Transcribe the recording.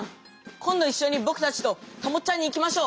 今どいっしょにぼくたちとたもっちゃんに行きましょう！